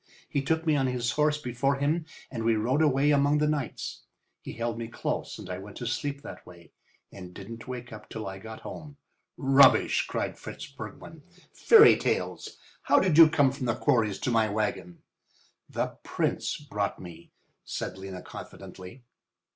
He took me on his horse before him and we rode away among the knights. He held me close and I went to sleep that way, and didn't wake up till I got home." "Rubbish!" cried Fritz Bergmann. "Fairy tales! How did you come from the quarries to my wagon?" "The Prince brought me," said Lena, confidently.